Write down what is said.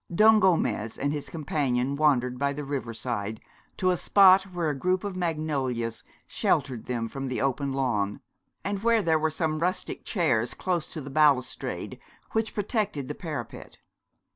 Don Gomez and his companion wandered by the river side to a spot where a group of magnolias sheltered them from the open lawn, and where there were some rustic chairs close to the balustrade which protected the parapet.